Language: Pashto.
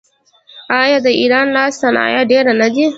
آیا د ایران لاسي صنایع ډیر نه دي؟